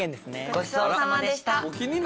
ごちそうさまでした。